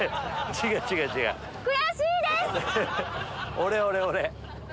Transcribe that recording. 俺俺俺。